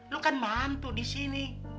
lo kan mantu di sini